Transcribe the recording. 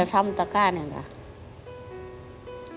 ยายทำตะก้าเนี่ย